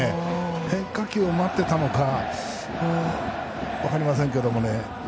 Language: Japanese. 変化球を待ってたのか分かりませんけど。